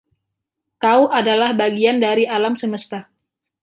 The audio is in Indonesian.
Kau adalah bagian dari alam semesta.